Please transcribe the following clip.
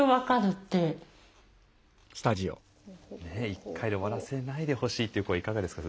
１回で終わらせないでほしいっていう声いかがですか？